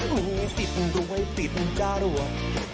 มีสิทธิ์รวยติดจะรวด